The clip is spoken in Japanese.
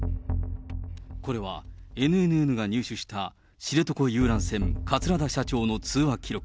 これは、ＮＮＮが入手した、知床遊覧船、桂田社長の通話記録。